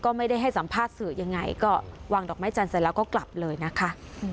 ก็ไม่ได้ให้สัมภาษณ์สื่อยังไงก็วางดอกไม้จันทร์เสร็จแล้วก็กลับเลยนะคะ